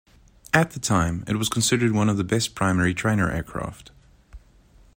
At the time, it was considered one of the best primary trainer aircraft.